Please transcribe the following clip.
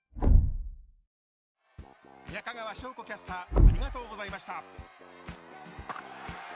中川翔子キャスターありがとうございました。